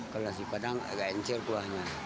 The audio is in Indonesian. kalau nasi padang agak encer kuahnya